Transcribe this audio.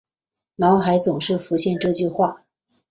脑海总是浮现这句话